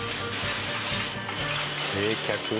冷却？